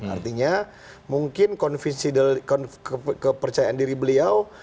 artinya mungkin kepercayaan diri beliau